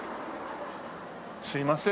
すいません。